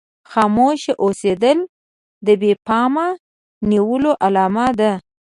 خاموشه اوسېدل د بې پامه نيولو علامه ده.